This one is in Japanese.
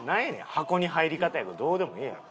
箱に入り方なんかどうでもええやん。